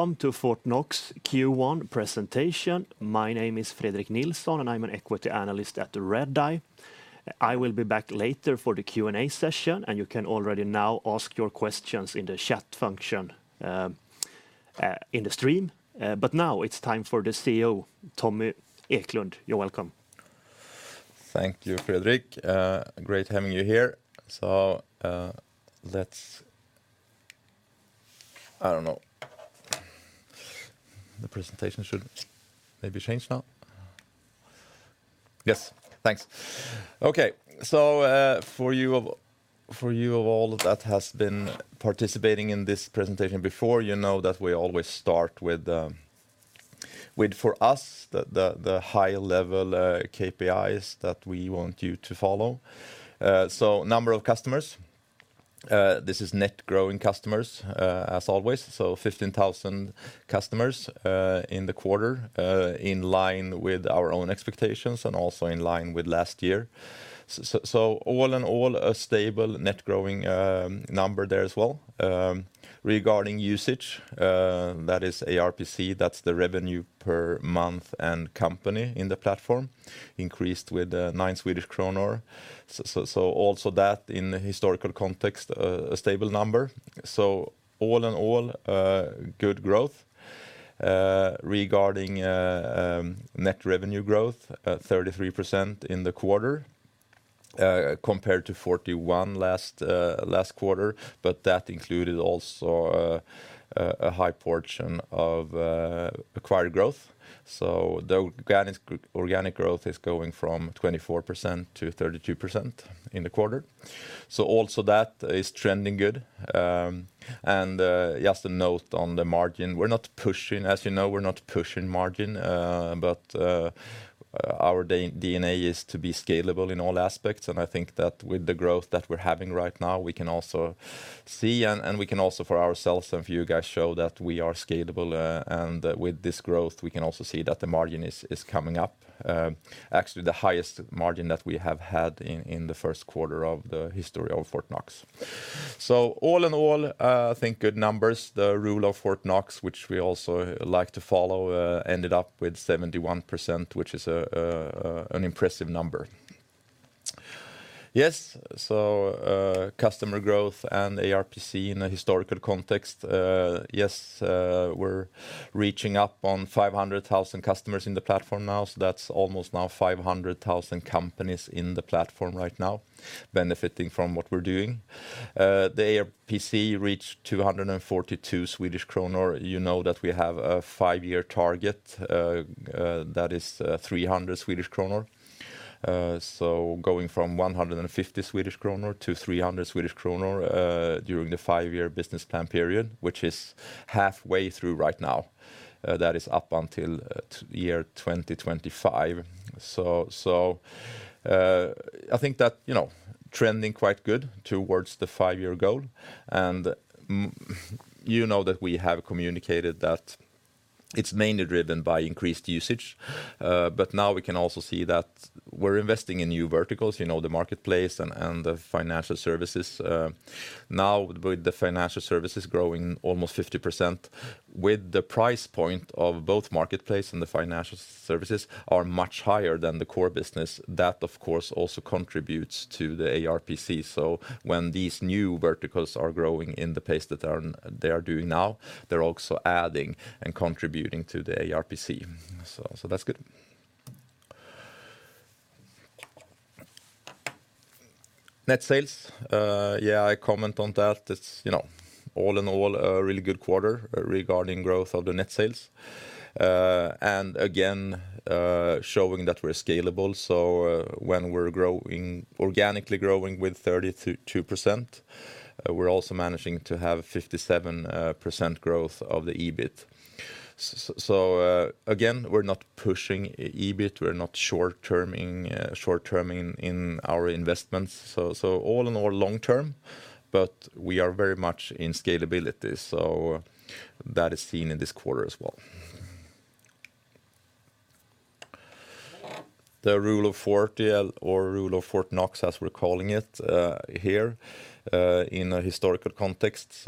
Welcome to Fortnox Q1 Presentation. My name is Fredrik Nilsson, and I'm an Equity Analyst at Redeye. I will be back later for the Q&A session, and you can already now ask your questions in the chat function in the stream. Now it's time for the CEO, Tommy Eklund. You're welcome. Thank you, Fredrik. Great having you here. Let's-- I don't know. The presentation should maybe change now. Yes. Thanks. Okay. For you of all that has been participating in this presentation before, you know that we always start with, for us, the high level KPIs that we want you to follow. Number of customers, this is net growing customers, as always. 15,000 customers in the quarter, in line with our own expectations and also in line with last year. So all in all, a stable net growing number there as well. Regarding usage, that is ARPC, that's the revenue per month and company in the platform, increased with 9 Swedish kronor. So also that in the historical context, a stable number. All in all, good growth. Regarding net revenue growth, at 33% in the quarter, compared to 41% last quarter. That included also a high portion of acquired growth. The organic growth is going from 24% to 32% in the quarter. Also that is trending good. Just a note on the margin. We're not pushing, as you know, we're not pushing margin, but our DNA is to be scalable in all aspects. I think that with the growth that we're having right now, we can also see and we can also for ourselves and for you guys show that we are scalable. With this growth, we can also see that the margin is coming up. Actually the highest margin that we have had in the first quarter of the history of Fortnox. All in all, I think good numbers. The Rule of Fortnox, which we also like to follow, ended up with 71%, which is an impressive number. Yes. Customer growth and ARPC in a historical context. We're reaching up on 500,000 customers in the platform now. That's almost now 500,000 companies in the platform right now benefiting from what we're doing. The ARPC reached 242 Swedish kronor. You know that we have a five-year target that is 300 Swedish kronor. Going from 150 Swedish kronor to 300 Swedish kronor during the five-year business plan period, which is halfway through right now. That is up until year 2025. I think that, you know, trending quite good towards the five-year goal. You know that we have communicated that it's mainly driven by increased usage. Now we can also see that we're investing in new verticals, you know, the Marketplace and the Financial Services. Now with the Financial Services growing almost 50% with the price point of both Marketplace and the Financial Services are much higher than the core business. That of course also contributes to the ARPC. When these new verticals are growing in the pace that they're doing now, they're also adding and contributing to the ARPC. That's good. Net sales, yeah, I comment on that. It's, you know, all in all, a really good quarter regarding growth of the net sales. Again, showing that we're scalable. When we're growing, organically growing with 32%, we're also managing to have 57% growth of the EBIT. Again, we're not pushing EBIT, we're not short-terming in our investments. All in all long term, we are very much in scalability. That is seen in this quarter as well. The Rule of 40 or Rule of Fortnox, as we're calling it, here, in a historical context.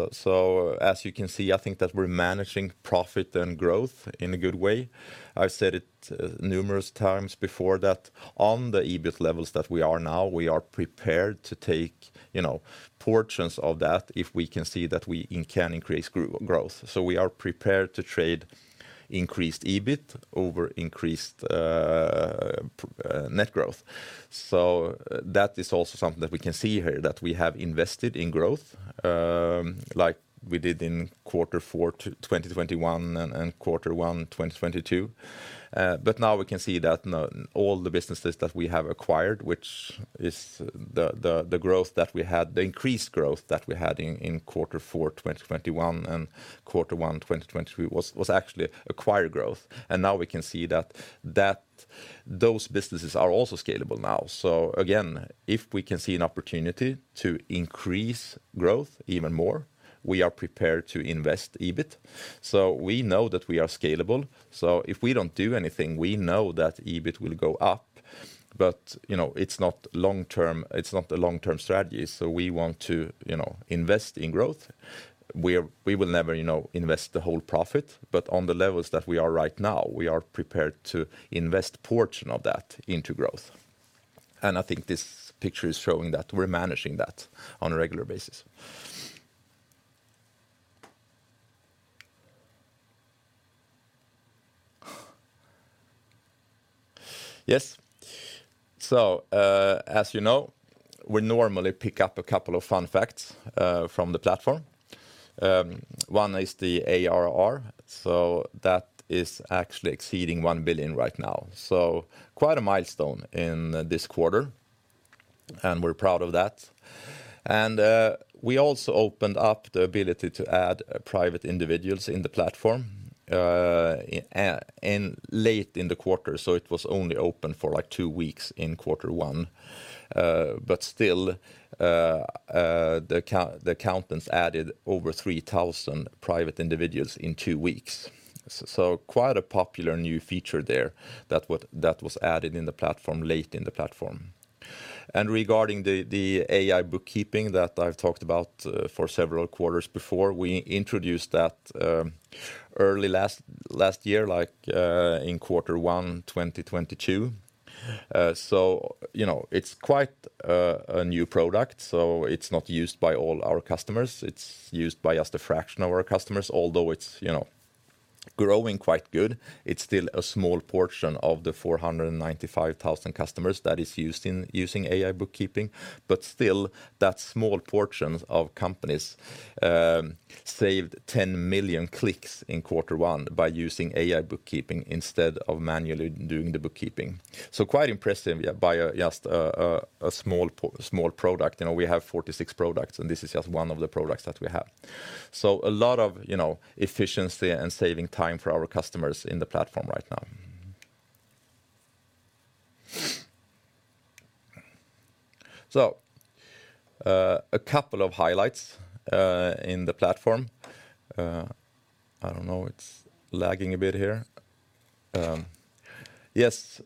As you can see, I think that we're managing profit and growth in a good way. I've said it numerous times before that on the EBIT levels that we are now, we are prepared to take, you know, portions of that if we can see that we can increase growth. We are prepared to trade increased EBIT over increased net growth. That is also something that we can see here, that we have invested in growth, like we did in quarter four 2021 and quarter one 2022. Now we can see that all the businesses that we have acquired, which is the growth that we had, the increased growth that we had in quarter four 2021 and quarter one 2022 was actually acquired growth. Now we can see that Those businesses are also scalable now. Again, if we can see an opportunity to increase growth even more, we are prepared to invest EBIT. We know that we are scalable, if we don't do anything, we know that EBIT will go up. You know, it's not long-term, it's not a long-term strategy, we want to, you know, invest in growth. We will never, you know, invest the whole profit, on the levels that we are right now, we are prepared to invest portion of that into growth. I think this picture is showing that we're managing that on a regular basis. Yes. As you know, we normally pick up a couple of fun facts from the platform. One is the ARR, that is actually exceeding 1 billion right now. Quite a milestone in this quarter, we're proud of that. We also opened up the ability to add private individuals in the platform late in the quarter, so it was only open for like two weeks in Q1. Still, the accountants added over 3,000 private individuals in two weeks. Quite a popular new feature there that was added in the platform late in the platform. Regarding the AI bookkeeping that I've talked about for several quarters before, we introduced that early last year, like in Q1 2022. You know, it's quite a new product, so it's not used by all our customers. It's used by just a fraction of our customers, although it's, you know, growing quite good. It's still a small portion of the 495,000 customers that is using AI bookkeeping. Still, that small portion of companies saved 10 million clicks in quarter one by using AI bookkeeping instead of manually doing the bookkeeping. Quite impressive, yeah, by a, just a small product. You know, we have 46 products, and this is just one of the products that we have. A lot of, you know, efficiency and saving time for our customers in the platform right now. A couple of highlights in the platform. I don't know, it's lagging a bit here. Yes.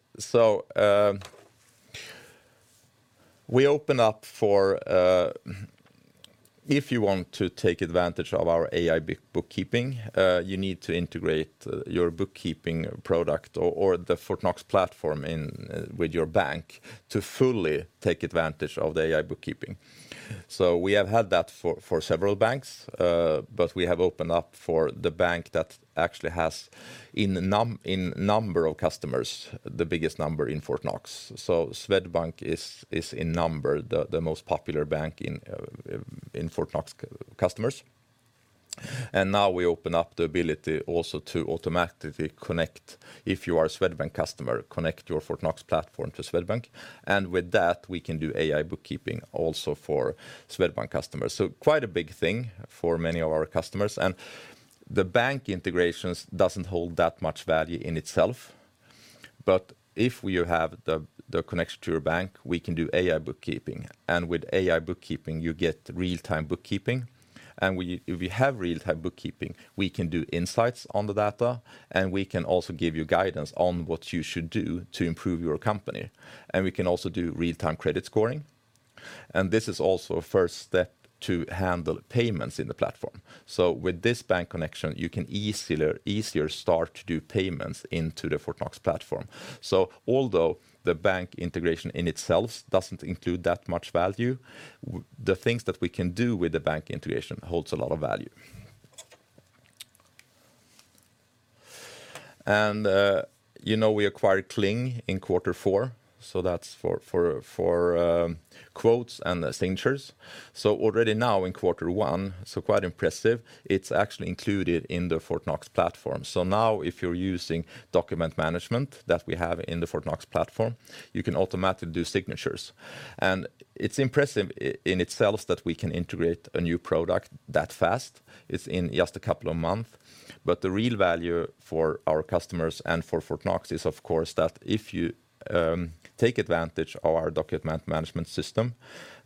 We open up for if you want to take advantage of our AI bookkeeping, you need to integrate your bookkeeping product or the Fortnox platform with your bank to fully take advantage of the AI bookkeeping. We have had that for several banks, but we have opened up for the bank that actually has in number of customers, the biggest number in Fortnox. Swedbank is in number the most popular bank in Fortnox customers. Now we open up the ability also to automatically connect if you are a Swedbank customer, connect your Fortnox platform to Swedbank. With that, we can do AI bookkeeping also for Swedbank customers. Quite a big thing for many of our customers. The bank integrations doesn't hold that much value in itself. If we have the connection to your bank, we can do AI bookkeeping. With AI bookkeeping, you get real-time bookkeeping. If we have real-time bookkeeping, we can do insights on the data, and we can also give you guidance on what you should do to improve your company. We can also do real-time credit scoring. This is also a first step to handle payments in the platform. With this bank connection, you can easier start to do payments into the Fortnox platform. Although the bank integration in itself doesn't include that much value, the things that we can do with the bank integration holds a lot of value. You know, we acquired Cling in Q4, so that's for quotes and signatures. Already now in Q1, quite impressive, it's actually included in the Fortnox platform. Now if you're using document management that we have in the Fortnox platform, you can automatically do signatures. It's impressive in itself that we can integrate a new product that fast. It's in just a couple of months. The real value for our customers and for Fortnox is, of course, that if you take advantage of our document management system,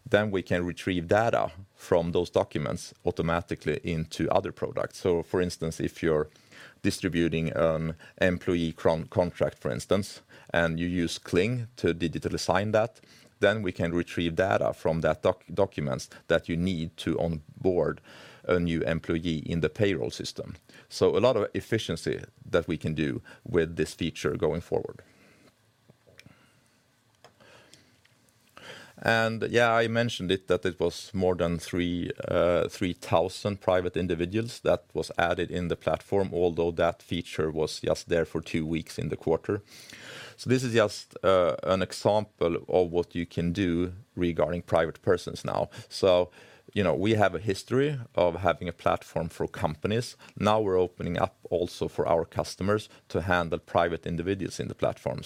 then we can retrieve data from those documents automatically into other products. For instance, if you're distributing an employee contract, for instance, and you use Cling to digitally sign that, then we can retrieve data from that documents that you need to onboard a new employee in the payroll system. A lot of efficiency that we can do with this feature going forward. Yeah, I mentioned it that it was more than 3,000 private individuals that was added in the platform, although that feature was just there for two weeks in the quarter. This is just an example of what you can do regarding private persons now. You know, we have a history of having a platform for companies. Now we're opening up also for our customers to handle private individuals in the platform.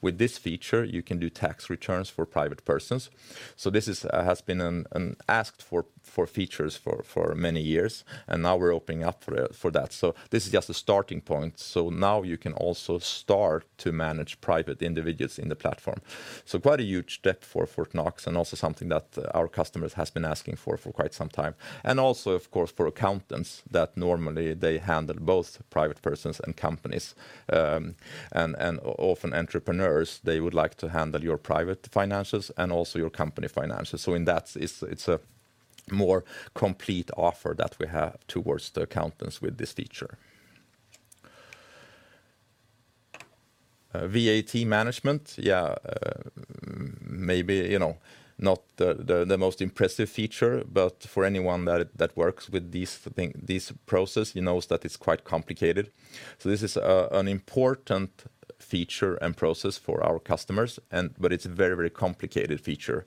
With this feature, you can do tax returns for private persons. This is has been an asked for features for many years, and now we're opening up for that. This is just a starting point. Now you can also start to manage private individuals in the platform. Quite a huge step for Fortnox and also something that our customers has been asking for for quite some time. Also, of course, for accountants that normally they handle both private persons and companies, and often entrepreneurs, they would like to handle your private finances and also your company finances. In that it's a more complete offer that we have towards the accountants with this feature. VAT management, yeah, maybe, you know, not the most impressive feature, but for anyone that works with this process, you knows that it's quite complicated. This is an important feature and process for our customers and but it's very complicated feature.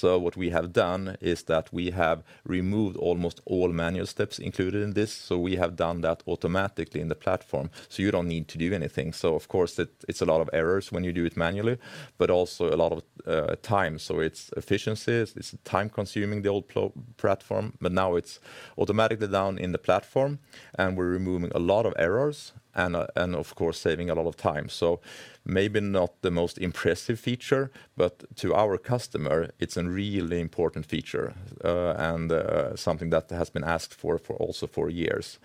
What we have done is that we have removed almost all manual steps included in this, so we have done that automatically in the platform, so you don't need to do anything. Of course it's a lot of errors when you do it manually, but also a lot of time. It's efficiency, it's time-consuming, the old platform, but now it's automatically done in the platform, and we're removing a lot of errors and of course saving a lot of time. Maybe not the most impressive feature, but to our customer, it's a really important feature, and something that has been asked for for also for years.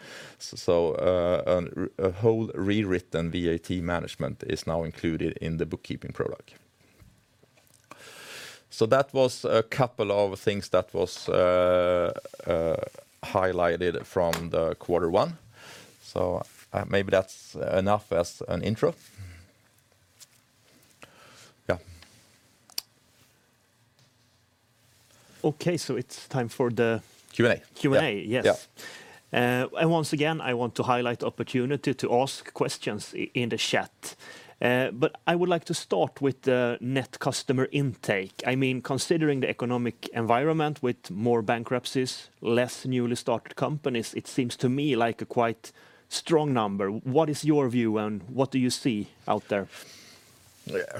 A whole rewritten VAT management is now included in the bookkeeping product. That was a couple of things that was highlighted from the quarter one, so maybe that's enough as an intro. Yeah. Okay, it's time for Q&A. Yeah. Yes. Once again, I want to highlight the opportunity to ask questions in the chat. I would like to start with the net customer intake. I mean, considering the economic environment with more bankruptcies, less newly started companies, it seems to me like a quite strong number. What is your view, and what do you see out there? Yeah.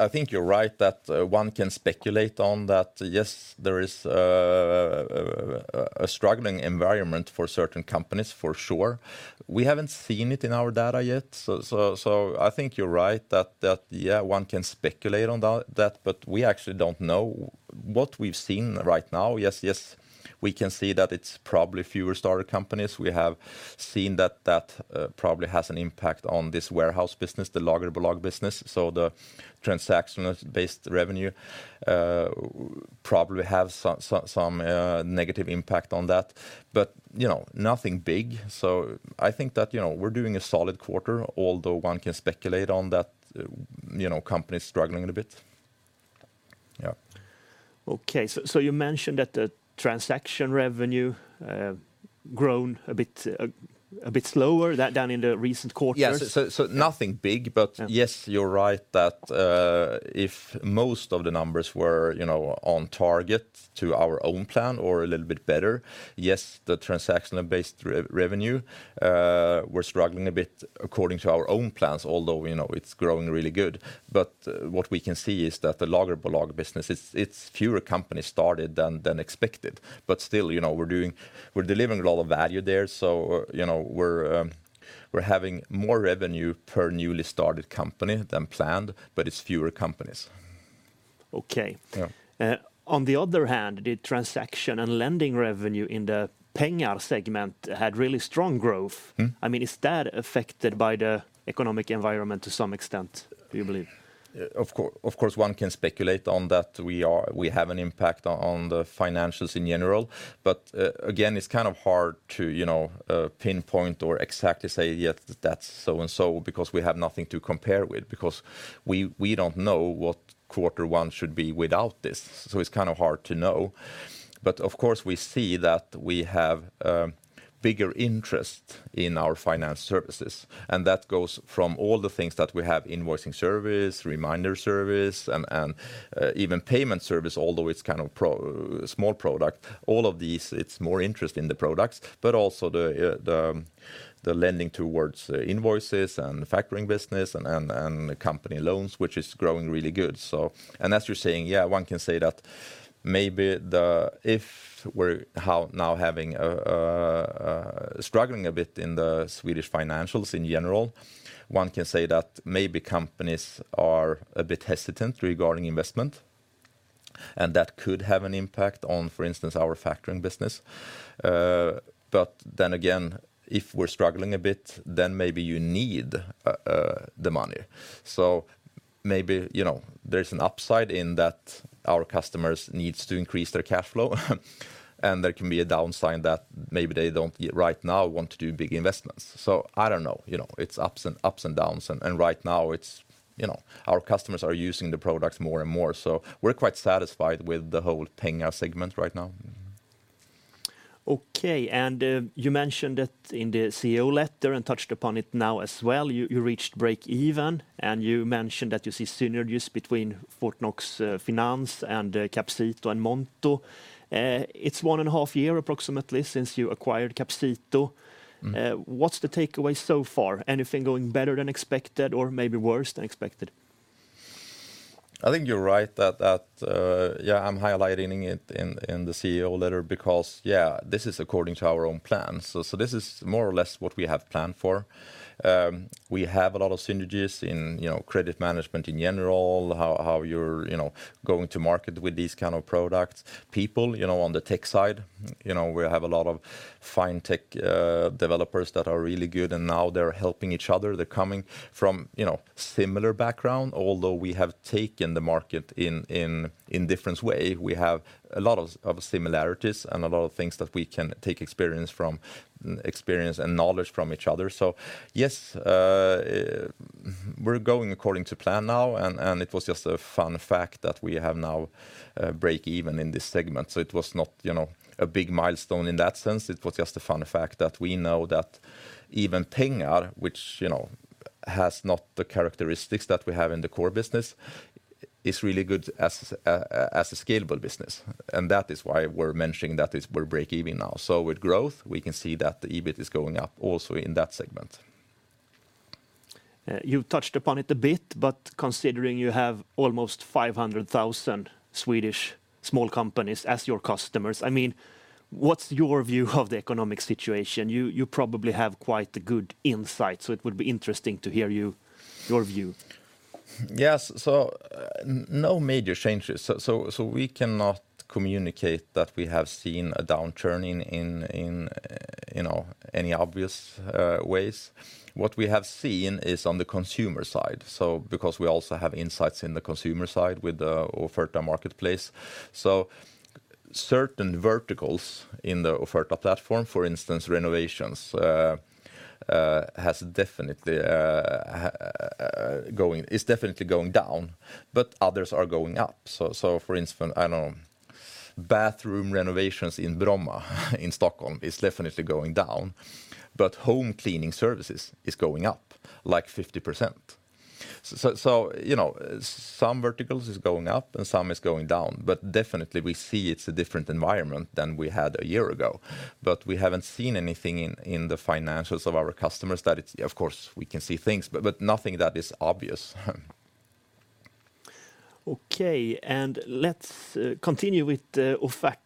I think you're right that one can speculate on that, yes, there is a struggling environment for certain companies for sure. We haven't seen it in our data yet, so I think you're right that, yeah, one can speculate on that, but we actually don't know. What we've seen right now, yes, we can see that it's probably fewer starter companies. We have seen that probably has an impact on this warehouse business, the Lagerbolag business, the transactional based revenue probably have some negative impact on that. You know, nothing big. I think that, you know, we're doing a solid quarter, although one can speculate on that, you know, companies struggling a bit. Okay. You mentioned the transaction revenue grown a bit slower down in the recent quarters? Yes. nothing big. Yes, you're right that, if most of the numbers were, you know, on target to our own plan or a little bit better, yes, the transactional based revenue, we're struggling a bit according to our own plans, although, you know, it's growing really good. What we can see is that the Lagerbolag business, it's fewer companies started than expected. Still, you know, We're delivering a lot of value there, so, you know, we're having more revenue per newly started company than planned, but it's fewer companies. Okay. Yeah. On the other hand, the transaction and lending revenue in the Pengar segment had really strong growth. I mean, is that affected by the economic environment to some extent, do you believe? Of course one can speculate on that we have an impact on the financials in general. Again, it's kind of hard to, you know, pinpoint or exactly say, "Yeah, that's so and so," because we have nothing to compare with, because we don't know what quarter one should be without this. It's kind of hard to know. Of course we see that we have bigger interest in our financial services, and that goes from all the things that we have, invoicing service, reminder service and even payment service, although it's kind of small product. All of these, it's more interest in the products, but also the lending towards invoices and factoring business and company loans, which is growing really good, so. As you're saying, one can say that maybe if we're now having struggling a bit in the Swedish financials in general, one can say that maybe companies are a bit hesitant regarding investment, and that could have an impact on, for instance, our factoring business. If we're struggling a bit, then maybe you need the money. Maybe, you know, there's an upside in that our customers needs to increase their cash flow, and there can be a downside that maybe they don't yet right now want to do big investments. I don't know. You know, it's ups and downs, and right now it's, you know, our customers are using the products more and more, so we're quite satisfied with the whole Pengar segment right now. Okay. you mentioned that in the CEO letter, and touched upon it now as well, you reached break even, and you mentioned that you see synergies between Fortnox Finance and Capcito and Monto. It's one and a half year approximately since you acquired Capcito. What's the takeaway so far? Anything going better than expected or maybe worse than expected? I think you're right that, yeah, I'm highlighting it in the CEO letter because, yeah, this is according to our own plan. This is more or less what we have planned for. We have a lot of synergies in, you know, credit management in general, how you're, you know, going to market with these kind of products. People, you know, on the tech side, you know, we have a lot of fintech developers that are really good, and now they're helping each other. They're coming from, you know, similar background. Although we have taken the market in difference way, we have a lot of similarities and a lot of things that we can take experience and knowledge from each other. Yes, we're going according to plan now, and it was just a fun fact that we have now break even in this segment. It was not, you know, a big milestone in that sense. It was just a fun fact that we know that even Pengar, which, you know, has not the characteristics that we have in the core business, is really good as a scalable business. That is why we're mentioning that we're break even now. With growth, we can see that the EBIT is You know, some verticals is going up and some is going down. Definitely we see it's a different environment than we had a year ago. We haven't seen anything in the financials of our customers that it's-- Of course, we can see things, but nothing that is obvious. Okay. Let's continue with Offerta.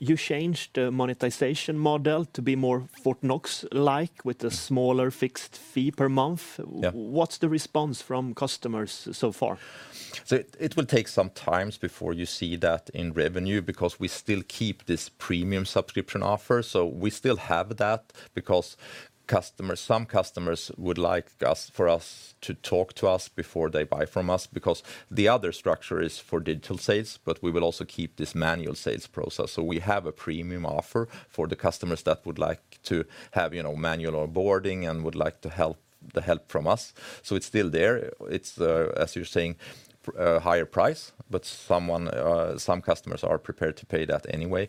You changed the monetization model to be more Fortnox-like with a smaller fixed fee per month. Yeah. What's the response from customers so far? It will take some times before you see that in revenue because we still keep this premium subscription offer. We still have that because customers, some customers would like us, for us to talk to us before they buy from us. Because the other structure is for digital sales, but we will also keep this manual sales process. We have a premium offer for the customers that would like to have, you know, manual onboarding and would like the help, the help from us, so it's still there. It's, as you're saying, a higher price, but someone, some customers are prepared to pay that anyway.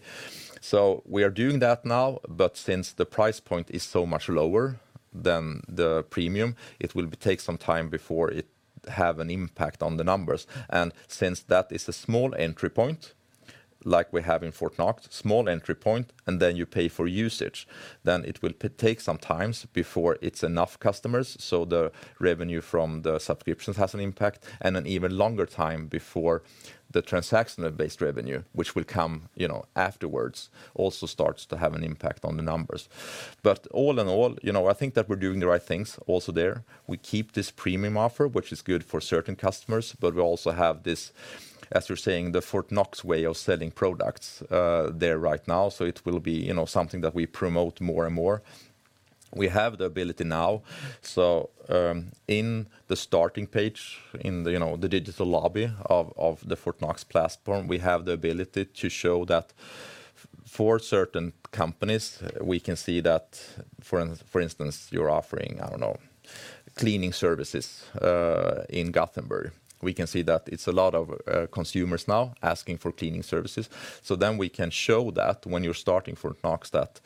We are doing that now, but since the price point is so much lower than the premium, it will be take some time before it have an impact on the numbers. Since that is a small entry point, like we have in Fortnox, small entry point, and then you pay for usage, then it will take some times before it's enough customers, so the revenue from the subscriptions has an impact. An even longer time before the transactional-based revenue, which will come, you know, afterwards, also starts to have an impact on the numbers. All in all, you know, I think that we're doing the right things also there. We keep this premium offer, which is good for certain customers, but we also have this, as you're saying, the Fortnox way of selling products there right now. It will be, you know, something that we promote more and more. We have the ability now. In the starting page, in the, you know, the digital lobby of the Fortnox platform, we have the ability to show that for certain companies, we can see that, for instance, you're offering, I don't know, cleaning services in Gothenburg. We can see that it's a lot of consumers now asking for cleaning services. Then we can show that when you're starting Fortnox that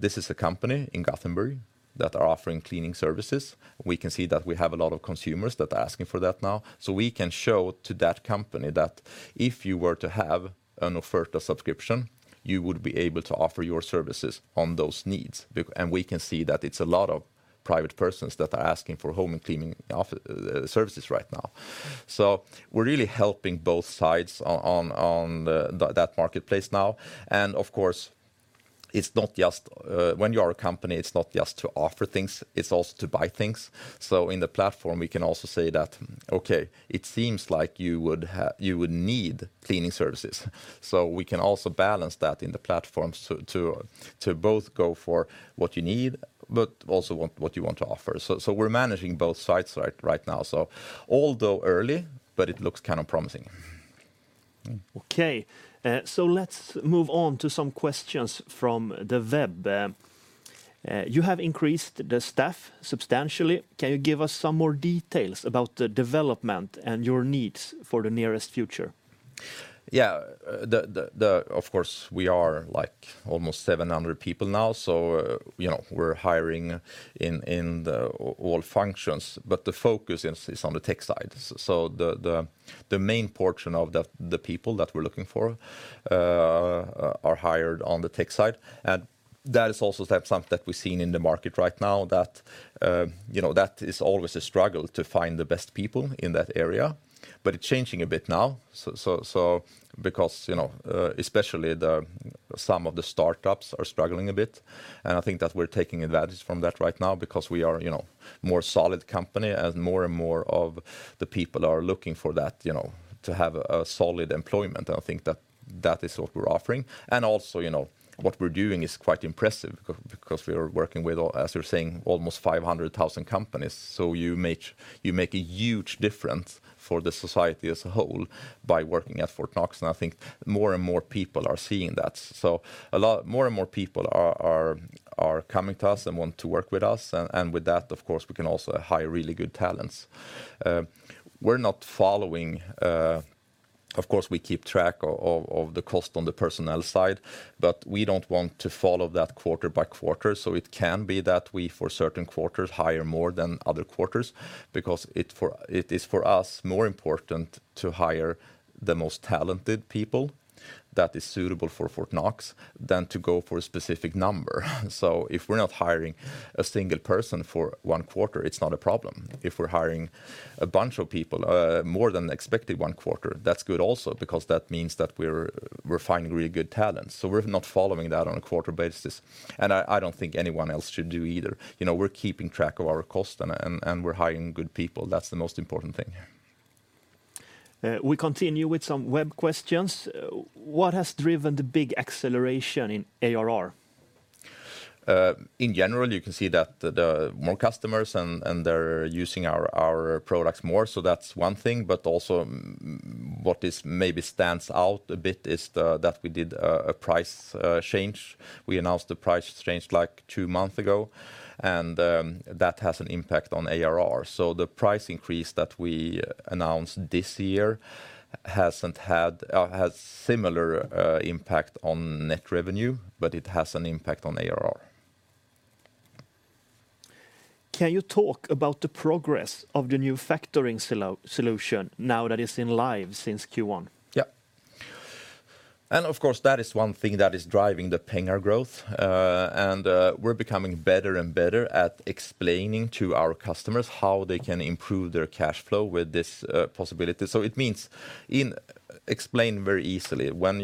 this is a company in Gothenburg that are offering cleaning services. We can see that we have a lot of consumers that are asking for that now. We can show to that company that if you were to have an Offerta subscription, you would be able to offer your services on those needs. We can see that it's a lot of private persons that are asking for home and cleaning services right now. We're really helping both sides on that marketplace now. Of course, it's not just when you are a company, it's not just to offer things, it's also to buy things. In the platform, we can also say that, "Okay, it seems like you would need cleaning services." We can also balance that in the platforms to both go for what you need but also want, what you want to offer. We're managing both sides right now. Although early, but it looks kind of promising. Okay. Let's move on to some questions from the web. You have increased the staff substantially. Can you give us some more details about the development and your needs for the nearest future? Yeah. Of course, we are like almost 700 people now, you know, we're hiring in all functions. The focus is on the tech side. The main portion of the people that we're looking for are hired on the tech side. That is also something that we're seeing in the market right now that, you know, that is always a struggle to find the best people in that area. It changing a bit now, so because, you know, especially some of the startups are struggling a bit, and I think that we're taking advantage from that right now because we are, you know, more solid company. More and more of the people are looking for that, you know, to have a solid employment. I think, that is what we're offering. Also, you know, what we're doing is quite impressive because we are working with, as you're saying, almost 500,000 companies. You make a huge difference for the society as a whole by working at Fortnox. I think more and more people are seeing that. More and more people are coming to us and want to work with us. With that, of course, we can also hire really good talents. We're not following. Of course, we keep track of the cost on the personnel side. We don't want to follow that quarter by quarter. It can be that we, for certain quarters, hire more than other quarters. It is for us more important to hire the most talented people that is suitable for Fortnox than to go for a specific number. If we're not hiring a single person for one quarter, it's not a problem. If we're hiring a bunch of people, more than expected one quarter, that's good also because that means that we're finding really good talent. We're not following that on a quarter basis, and I don't think anyone else should do either. You know, we're keeping track of our cost and we're hiring good people. That's the most important thing. We continue with some web questions. What has driven the big acceleration in ARR? In general, you can see that the more customers and they're using our products more, so that's one thing. Also, what is maybe stands out a bit is that we did a price change. We announced the price change, like, two month ago, and that has an impact on ARR. The price increase that we announced this year has similar impact on net revenue, but it has an impact on ARR. Can you talk about the progress of the new factoring solution now that it's in live since Q1? Yeah. Of course, that is one thing that is driving the Pengar growth. And we're becoming better and better at explaining to our customers how they can improve their cash flow with this possibility. It means explained very easily, when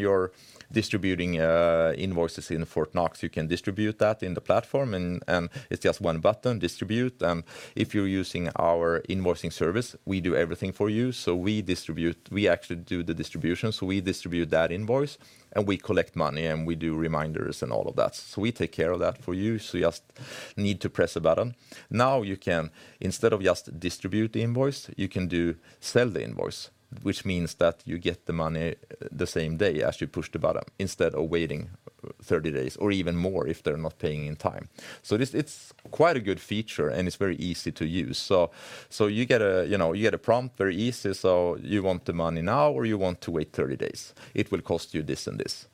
you're distributing invoices in Fortnox, you can distribute that in the platform, and it's just one button, distribute. If you're using our invoicing service, we do everything for you. We distribute. We actually do the distribution. We distribute that invoice, and we collect money, and we do reminders and all of that. We take care of that for you, so you just need to press a button. Now you can, instead of just distribute the invoice, you can do sell the invoice, which means that you get the money the same day as you push the button instead of waiting 30 days or even more if they're not paying in time. This, it's quite a good feature, and it's very easy to use. You get a, you know, you get a prompt very easy. You want the money now, or you want to wait 30 days? It will cost you this and this.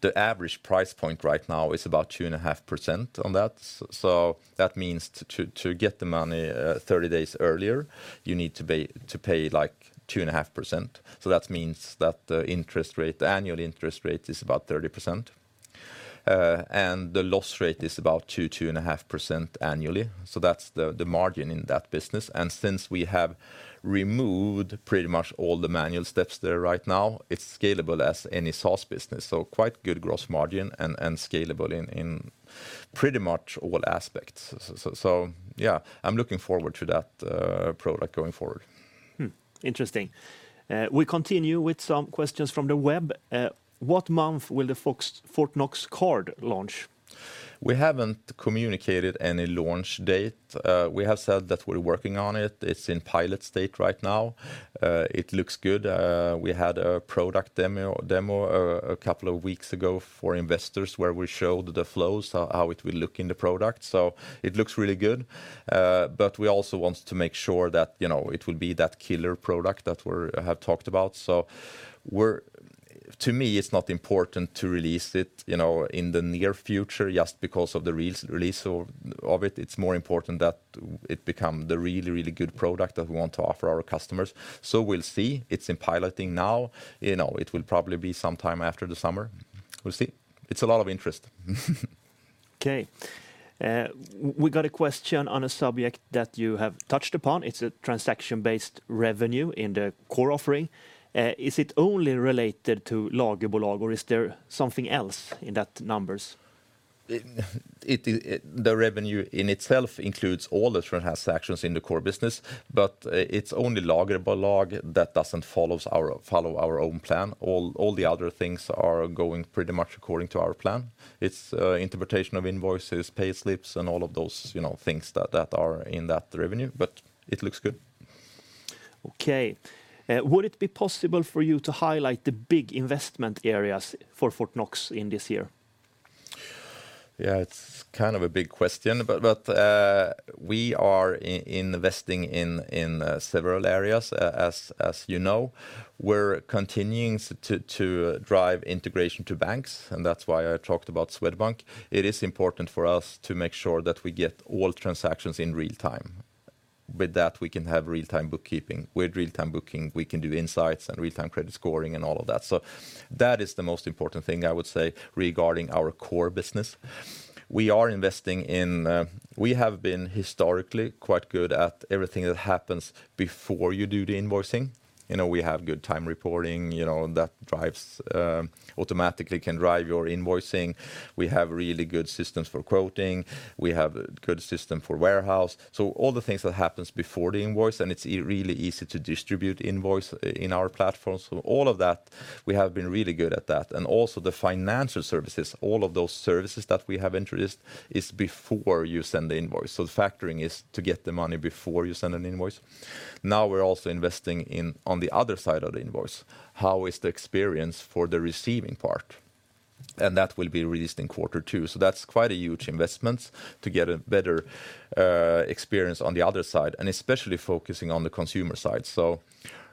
The average price point right now is about 2.5% on that. That means to get the money 30 days earlier, you need to pay, like, 2.5%. That means that the interest rate, the annual interest rate is about 30%, and the loss rate is about 2.5% annually. That's the margin in that business. Since we have removed pretty much all the manual steps there right now, it's scalable as any SaaS business. Quite good gross margin and scalable in pretty much all aspects. So yeah, I'm looking forward to that product going forward. Hmm. Interesting. We continue with some questions from the web. What month will the Fortnox card launch? We haven't communicated any launch date. We have said that we're working on it. It's in pilot state right now. It looks good. We had a product demo a couple of weeks ago for investors where we showed the flows, how it will look in the product. It looks really good. We also want to make sure that, you know, it will be that killer product that we have talked about. To me, it's not important to release it, you know, in the near future just because of the release of it. It's more important that it become the really, really good product that we want to offer our customers. We'll see. It's in piloting now. You know, it will probably be sometime after the summer. We'll see. It's a lot of interest. Okay. We got a question on a subject that you have touched upon. It's a transaction-based revenue in the core offering. Is it only related to Lagerbolag, or is there something else in that numbers? The revenue in itself includes all the transactions in the core business, but it's only Lagerbolag that doesn't follow our own plan. All the other things are going pretty much according to our plan. It's interpretation of invoices, payslips, and all of those, you know, things that are in that revenue, but it looks good. Okay. Would it be possible for you to highlight the big investment areas for Fortnox in this year? Yeah, it's kind of a big question, but we are investing in several areas, as you know. We're continuing to drive integration to banks. That's why I talked about Swedbank. It is important for us to make sure that we get all transactions in real time. With that, we can have real-time bookkeeping. With real-time booking, we can do insights and real-time credit scoring and all of that. That is the most important thing I would say regarding our core business. We are investing in. We have been historically quite good at everything that happens before you do the invoicing. You know, we have good time reporting, you know, that drives automatically can drive your invoicing. We have really good systems for quoting. We have a good system for warehouse. All the things that happens before the invoice, and it's really easy to distribute invoice in our platform. All of that, we have been really good at that. Also the financial services, all of those services that we have introduced is before you send the invoice. The factoring is to get the money before you send an invoice. Now we're also investing in, on the other side of the invoice, how is the experience for the receiving part, and that will be released in quarter two. That's quite a huge investment to get a better experience on the other side, and especially focusing on the consumer side.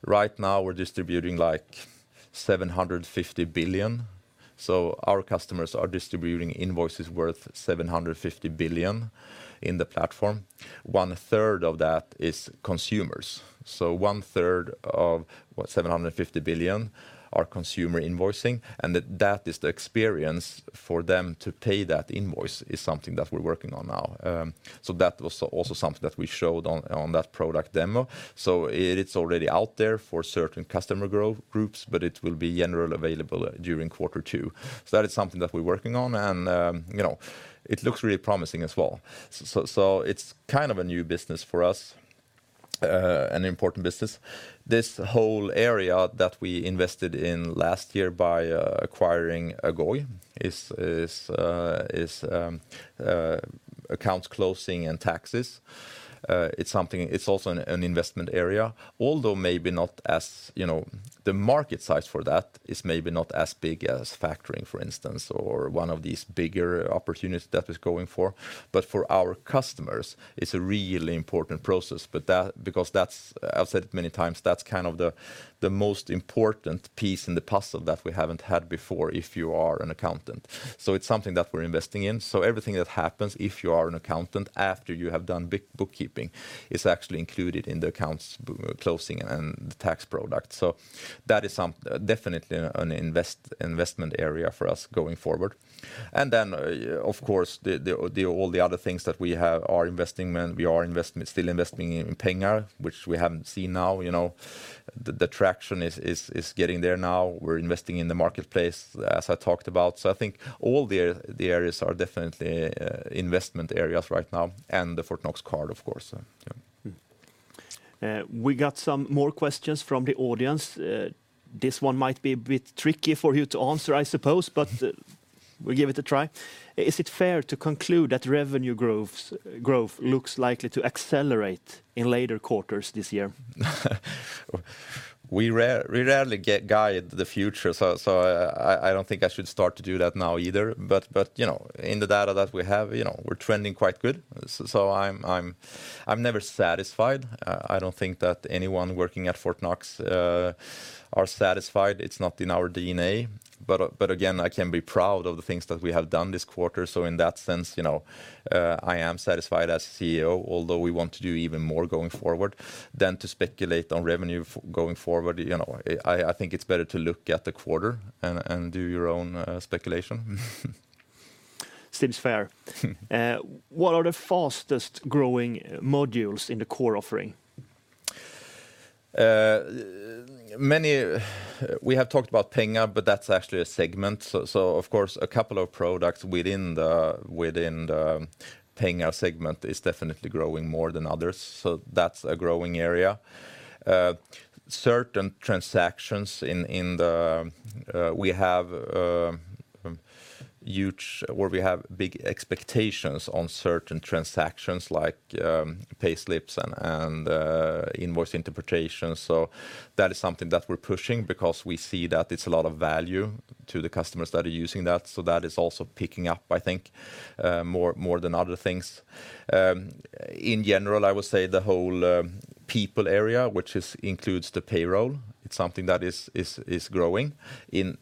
Right now we're distributing, like, 750 billion. Our customers are distributing invoices worth 750 billion in the platform. 1/3 of that is consumers. 1/3 of, what, 750 billion are consumer invoicing, and that is the experience for them to pay that invoice is something that we're working on now. That was also something that we showed on that product demo. It's already out there for certain customer groups, but it will be generally available during quarter two. That is something that we're working on and, you know, it looks really promising as well. It's kind of a new business for us, an important business. This whole area that we invested in last year by acquiring Agoy is accounts closing and taxes. It's something-- It's also an investment area, although maybe not as, you know, the market size for that is maybe not as big as factoring, for instance, or one of these bigger opportunities that it's going for. For our customers, it's a really important process. That, because that's, I've said it many times, that's kind of the most important piece in the puzzle that we haven't had before if you are an accountant. It's something that we're investing in. Everything that happens if you are an accountant after you have done bookkeeping is actually included in the accounts closing and the tax product. That is definitely an investment area for us going forward. Of course, the all the other things that we have are investing, and we are still investing in Pengar, which we haven't seen now. You know, the traction is getting there now. We're investing in the marketplace, as I talked about. I think all the areas are definitely investment areas right now, and the Fortnox Business Card, of course. We got some more questions from the audience. This one might be a bit tricky for you to answer, I suppose. We'll give it a try. Is it fair to conclude that revenue growth looks likely to accelerate in later quarters this year? We rarely guide the future, so I don't think I should start to do that now either. You know, in the data that we have, you know, we're trending quite good. So I'm never satisfied. I don't think that anyone working at Fortnox are satisfied. It's not in our DNA. Again, I can be proud of the things that we have done this quarter. In that sense, you know, I am satisfied as CEO, although we want to do even more going forward than to speculate on revenue going forward. You know, I think it's better to look at the quarter and do your own speculation. Seems fair. What are the fastest growing modules in the core offering? We have talked about Pengar, but that's actually a segment. Of course, a couple of products within the Pengar segment is definitely growing more than others, that's a growing area. We have big expectations on certain transactions like payslips and invoice interpretation. That is something that we're pushing because we see that it's a lot of value to the customers that are using that. That is also picking up, I think, more than other things. In general, I would say the whole people area, which is includes the payroll. It's something that is growing in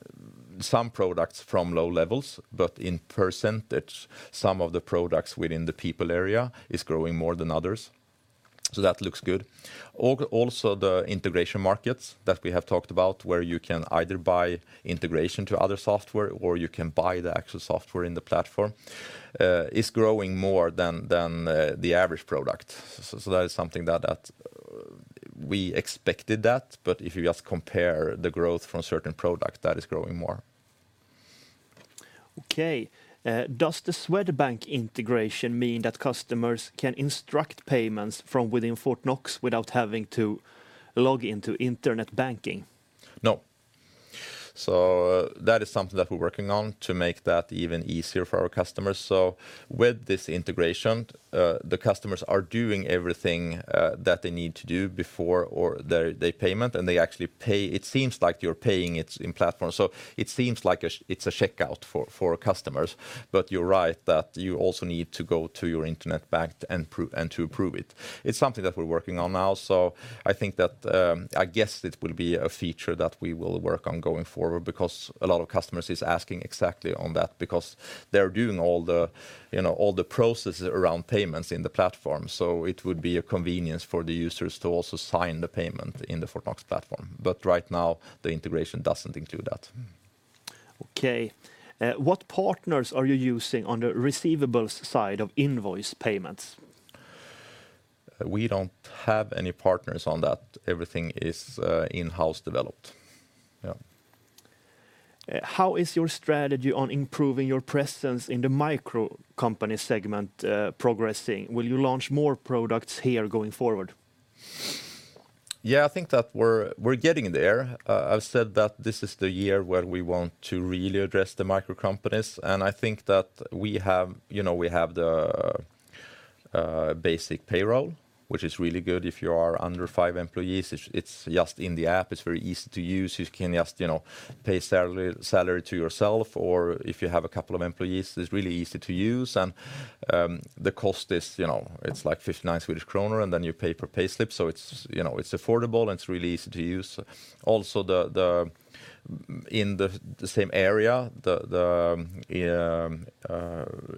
some products from low levels, but in percentage, some of the products within the people area is growing more than others. That looks good. Also, the integration markets that we have talked about, where you can either buy integration to other software or you can buy the actual software in the platform, is growing more than the average product. That is something that we expected that, but if you just compare the growth from certain product, that is growing more. Okay. Does the Swedbank integration mean that customers can instruct payments from within Fortnox without having to log into internet banking? That is something that we're working on to make that even easier for our customers. With this integration, the customers are doing everything that they need to do before their payment, and they actually pay. It seems like you're paying it in platform. It seems like it's a checkout for our customers. You're right that you also need to go to your internet bank to approve it. It's something that we're working on now. I think that, I guess it will be a feature that we will work on going forward because a lot of customers is asking exactly on that because they're doing all the, you know, processes around payments in the platform. It would be a convenience for the users to also sign the payment in the Fortnox platform. Right now, the integration doesn't include that. Okay. What partners are you using on the receivables side of invoice payments? We don't have any partners on that. Everything is in-house developed. Yeah. How is your strategy on improving your presence in the micro company segment progressing? Will you launch more products here going forward? Yeah, I think that we're getting there. I've said that this is the year where we want to really address the micro companies. I think that we have, you know, we have the basic payroll, which is really good if you are under five employees. It's just in the app. It's very easy to use. You can just, you know, pay salary to yourself, or if you have a couple of employees, it's really easy to use. The cost is, you know, it's like 59 Swedish kronor, and then you pay per payslip. It's, you know, it's affordable, and it's really easy to use. Also, in the same area, the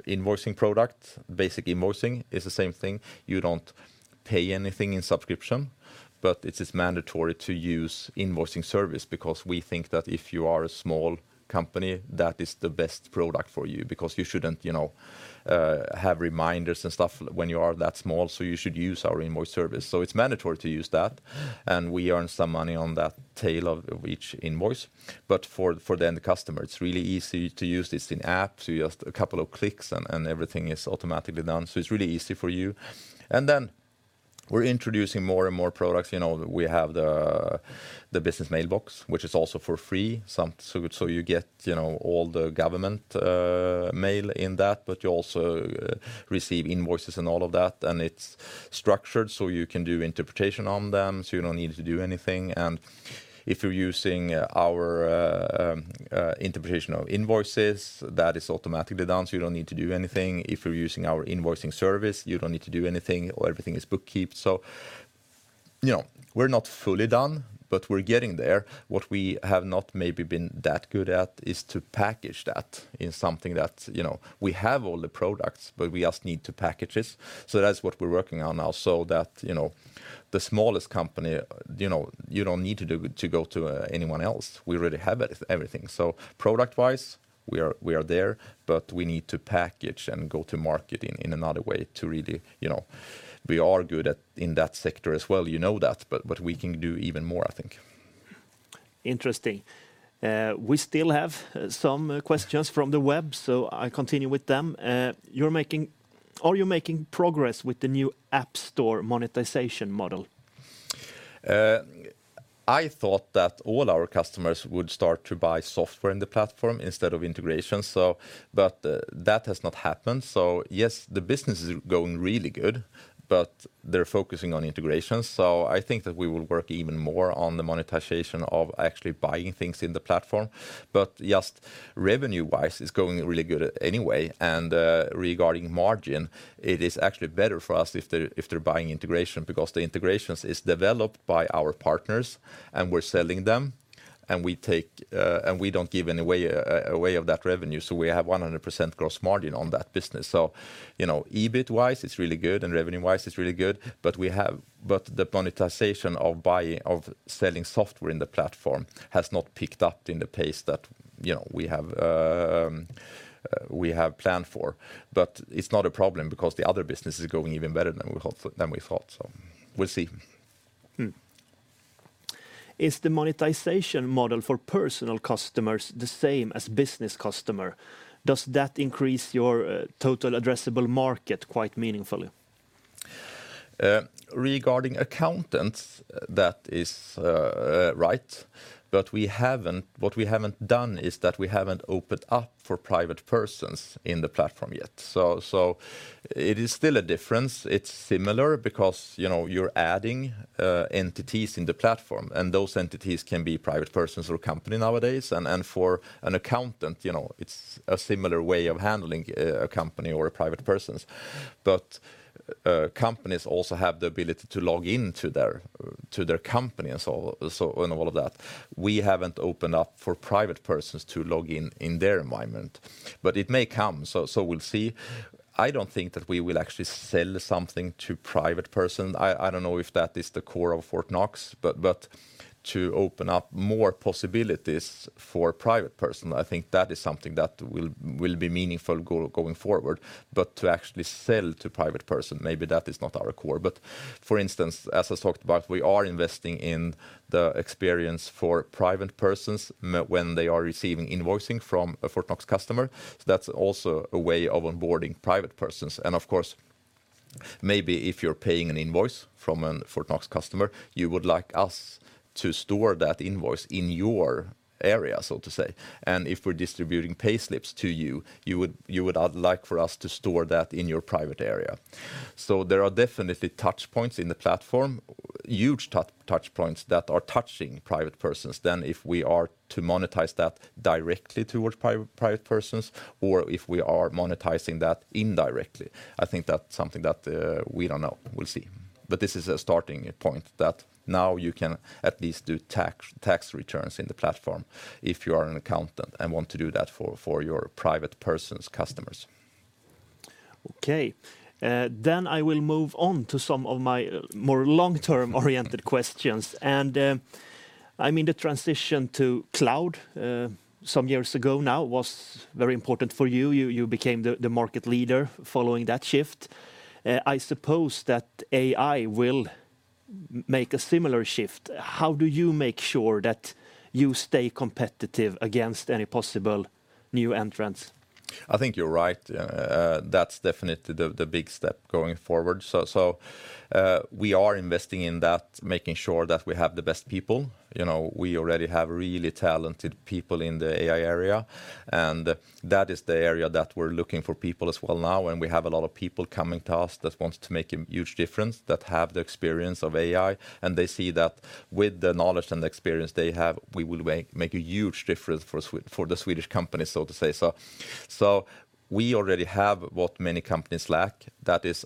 invoicing product, basic invoicing is the same thing. You don't pay anything in subscription, but it's just mandatory to use invoicing service because we think that if you are a small company, that is the best product for you because you shouldn't, you know, have reminders and stuff when you are that small. You should use our invoice service. It's mandatory to use that, and we earn some money on that tail of each invoice. For then the customer, it's really easy to use this in app, just a couple of clicks and everything is automatically done. It's really easy for you. Then we're introducing more and more products. You know, we have the business mailbox, which is also for free. Some-- You get, you know, all the government mail in that, but you also receive invoices and all of that, and it's structured, so you can do interpretation on them, so you don't need to do anything. If you're using our interpretation of invoices, that is automatically done, so you don't need to do anything. If you're using our invoicing service, you don't need to do anything or everything is bookkeep. You know, we're not fully done, but we're getting there. What we have not maybe been that good at is to package that in something that's, you know, we have all the products, but we just need to package this. That's what we're working on now so that, you know, the smallest company, you know, you don't need to go to anyone else. We already have everything. Product-wise, we are there, but we need to package and go to market in another way to really, you know, we are good at, in that sector as well, you know that, but we can do even more, I think. Interesting. We still have some questions from the web, so I continue with them. Are you making progress with the new App Market monetization model? I thought that all our customers would start to buy software in the platform instead of integration, but that has not happened. Yes, the business is going really good, but they're focusing on integration. I think that we will work even more on the monetization of actually buying things in the platform. Just revenue-wise, it's going really good anyway. Regarding margin, it is actually better for us if they're buying integration because the integrations is developed by our partners, and we're selling them, and we take, and we don't give any way away of that revenue. We have 100% gross margin on that business. You know, EBIT-wise, it's really good, and revenue-wise, it's really good. The monetization of buying, of selling software in the platform has not picked up in the pace that, you know, we have planned for. It's not a problem because the other business is going even better than we thought. We'll see. Is the monetization model for personal customers the same as business customer? Does that increase your total addressable market quite meaningfully? Regarding accountants, that is right. What we haven't done is that we haven't opened up for private persons in the platform yet. So it is still a difference. It's similar because, you know, you're adding entities in the platform, and those entities can be private persons or company nowadays. For an accountant, you know, it's a similar way of handling a company or a private persons. Companies also have the ability to log into their to their company and so on, and all of that. We haven't opened up for private persons to log in in their environment. It may come, so we'll see. I don't think that we will actually sell something to private person. I don't know if that is the core of Fortnox, but to open up more possibilities for private person, I think that is something that will be meaningful going forward. To actually sell to private person, maybe that is not our core. For instance, as I talked about, we are investing in the experience for private persons when they are receiving invoicing from a Fortnox customer. That's also a way of onboarding private persons. Of course, maybe if you're paying an invoice from an Fortnox customer, you would like us to store that invoice in your area, so to say. If we're distributing payslips to you would like for us to store that in your private area. There are definitely touch points in the platform, huge touch points that are touching private persons. If we are to monetize that directly towards private persons or if we are monetizing that indirectly, I think that's something that we don't know. We'll see. This is a starting point that now you can at least do tax returns in the platform if you are an accountant and want to do that for your private persons customers. Okay. Then I will move on to some of my more long-term oriented questions. I mean, the transition to cloud, some years ago now was very important for you became the market leader following that shift. I suppose that AI will make a similar shift. How do you make sure that you stay competitive against any possible new entrants? I think you're right. That's definitely the big step going forward. We are investing in that, making sure that we have the best people. You know, we already have really talented people in the AI area, That is the area that we're looking for people as well now, We have a lot of people coming to us that wants to make a huge difference, that have the experience of AI, They see that with the knowledge and the experience they have, we will make a huge difference for the Swedish company, so to say. We already have what many companies lack. That is,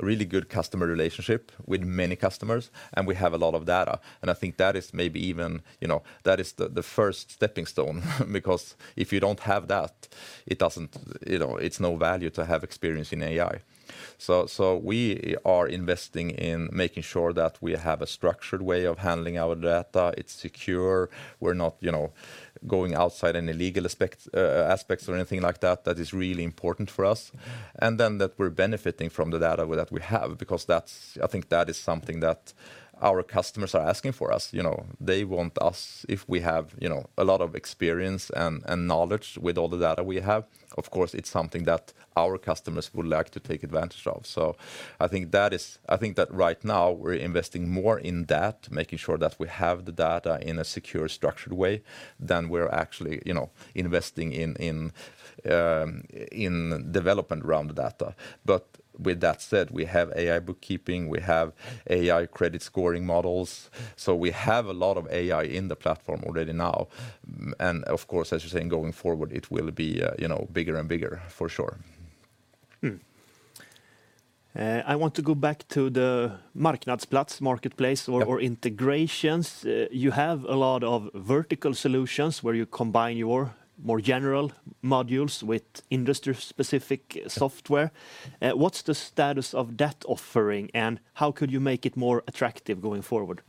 really good customer relationship with many customers, and we have a lot of data, and I think that is maybe even, you know, that is the first stepping stone because if you don't have that, it doesn't, you know, it's no value to have experience in AI. We are investing in making sure that we have a structured way of handling our data. It's secure. We're not, you know, going outside any legal aspects or anything like that. That is really important for us. That we're benefiting from the data that we have because I think that is something that our customers are asking for us, you know? They want us, if we have, you know, a lot of experience and knowledge with all the data we have, of course it's something that our customers would like to take advantage of. I think that right now we're investing more in that, making sure that we have the data in a secure, structured way, than we're actually, you know, investing in development around the data. With that said, we have AI bookkeeping. We have AI credit scoring models. We have a lot of AI in the platform already now, and of course, as you're saying, going forward it will be, you know, bigger and bigger for sure. I want to go back to the marknadsplats, marketplace or integrations. You have a lot of vertical solutions where you combine your more general modules with industry-specific software. What's the status of that offering, and how could you make it more attractive going forward?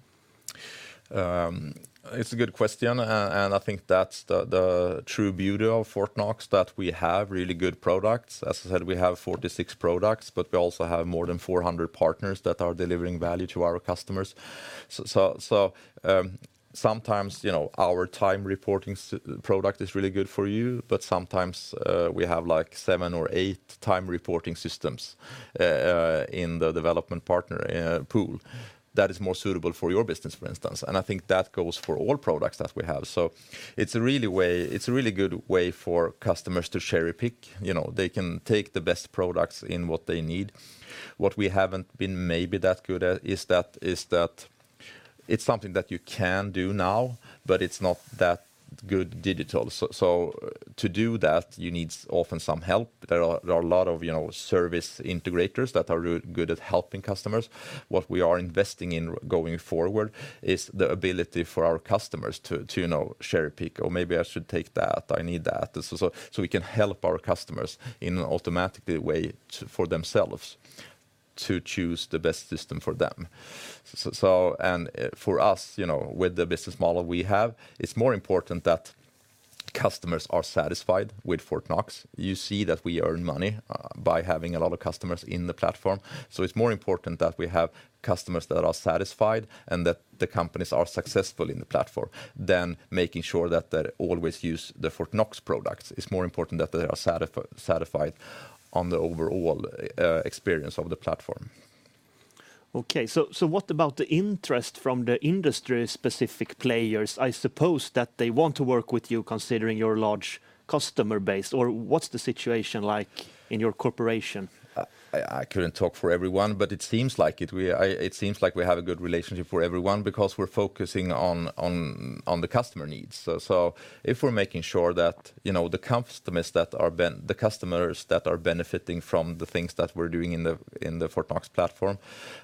It's a good question, and I think that's the true beauty of Fortnox, that we have really good products. As I said, we have 46 products, but we also have more than 400 partners that are delivering value to our customers. Sometimes, you know, our time reporting product is really good for you, but sometimes, we have, like, 7x or 8x reporting systems in the development partner pool that is more suitable for your business, for instance, and I think that goes for all products that we have. It's a really way, it's a really good way for customers to cherry-pick, you know? They can take the best products in what they need. What we haven't been maybe that good at is that, it's something that you can do now, but it's not that good digital. To do that, you need often some help. There are a lot of, you know, service integrators that are good at helping customers. What we are investing in going forward is the ability for our customers to, you know, cherry-pick, or maybe I should take that, I need that, We can help our customers in an automatic way to, for themselves to choose the best system for them. And, for us, you know, with the business model we have, it's more important that customers are satisfied with Fortnox. You see that we earn money by having a lot of customers in the platform. It's more important that we have customers that are satisfied and that the companies are successful in the platform than making sure that they always use the Fortnox products. It's more important that they are satisfied on the overall experience of the platform. Okay. What about the interest from the industry-specific players? I suppose that they want to work with you considering your large customer base. What's the situation like in your corporation? I couldn't talk for everyone, but it seems like it. It seems like we have a good relationship for everyone because we're focusing on the customer needs. If we're making sure that, you know, the customers that are benefiting from the things that we're doing in the Fortnox platform,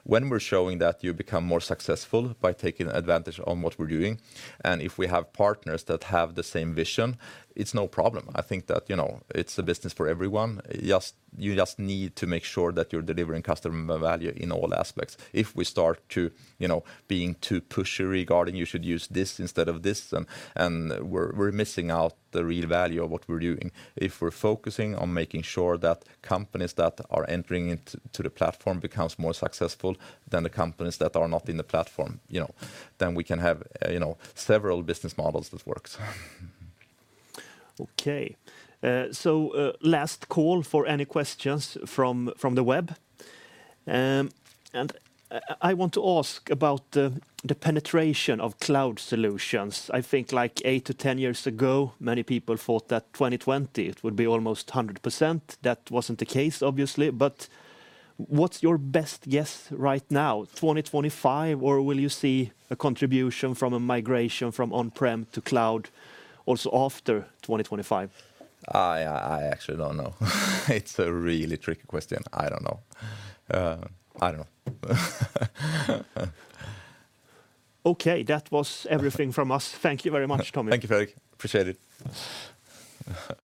when we're showing that you become more successful by taking advantage on what we're doing, and if we have partners that have the same vision, it's no problem. I think that, you know, it's a business for everyone, you just need to make sure that you're delivering customer value in all aspects. If we start to, you know, being too pushy regarding, "You should use this instead of this," then we're missing out the real value of what we're doing. If we're focusing on making sure that companies that are entering into the platform becomes more successful than the companies that are not in the platform, you know, then we can have, you know, several business models that works. Okay. Last call for any questions from the web. I want to ask about the penetration of cloud solutions. I think, like, 8-10 years ago, many people thought that 2020 it would be almost 100%. That wasn't the case, obviously, but what's your best guess right now? 2025, or will you see a contribution from a migration from on-prem to cloud also after 2025? I actually don't know. It's a really tricky question. I don't know. I don't know. Okay. That was everything from us. Thank you very much, Tommy. Thank you, Fredrik. Appreciate it.